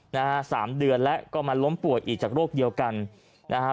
นะฮะสามเดือนแล้วก็มาล้มป่วยอีกจากโรคเดียวกันนะฮะ